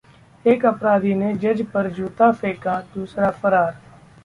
एक अपराधी ने जज पर जूता फेंका, दूसरा फरार